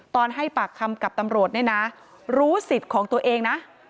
ให้ปากคำกับตำรวจเนี่ยนะรู้สิทธิ์ของตัวเองนะ